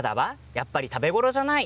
やっぱり食べ頃じゃない。